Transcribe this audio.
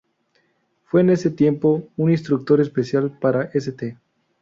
Fue en ese tiempo, un instructor especial para St.